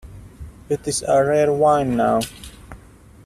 It is a rare wine now.